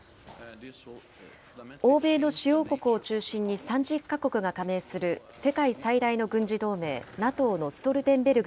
欧米の主要国を中心に３０か国が加盟する世界最大の軍事同盟、ＮＡＴＯのストルテンベルグ